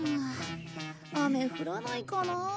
雨降らないかなあ。